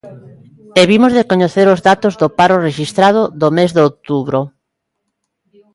E vimos de coñecer os datos do paro rexistrado do mes de outubro.